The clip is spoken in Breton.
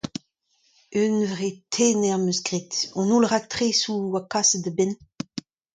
Huñvre tener 'm eus graet : hon holl raktresoù a oa kaset da benn.